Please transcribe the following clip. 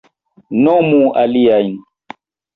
Nomu aliajn!